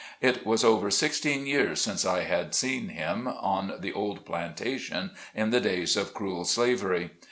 It was over sixteen years since I had seen him, on the old plantation in the days of cruel slavery.